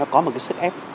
có một cái sức ép